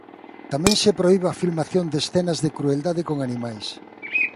Tamén se prohibe a filmación de escenas de crueldade con animais.